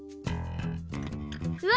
うわ！